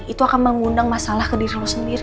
itu akan mengundang masalah ke diri lo sendiri